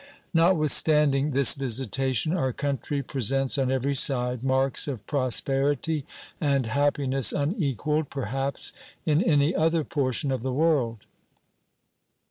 Not with standing this visitation, our country presents on every side marks of prosperity and happiness unequaled, perhaps, in any other portion of the world.